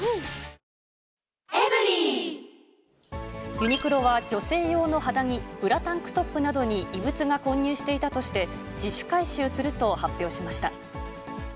ユニクロは、女性用の肌着、ブラタンクトップなどに異物が混入していたとして、自主回収すると発表しました。